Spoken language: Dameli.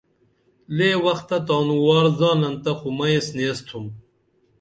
لے وختہ تانُوار زانن تہ خو مئی ایس نیسِتُھم